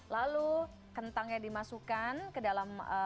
lalu kentangnya dimasukkan ke dalam